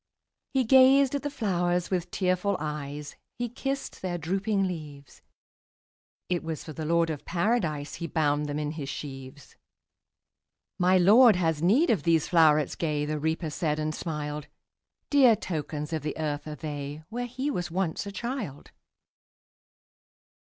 '' He gazed at the flowers with tearful eyes, He kissed their drooping leaves; It was for the Lord of Paradise He bound them in his sheaves. ``My Lord has need of these flowerets gay,'' The Reaper said, and smiled; ``Dear tokens of the earth are they, Where he was once a child.